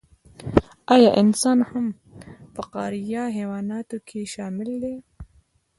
ایا انسان هم په فقاریه حیواناتو کې شامل دی